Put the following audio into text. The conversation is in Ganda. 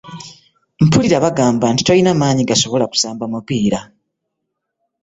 Mpulira bagamba nti tolina manyi gasobola kusamba mupiira.